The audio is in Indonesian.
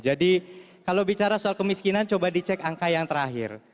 jadi kalau bicara soal kemiskinan coba dicek angka yang terakhir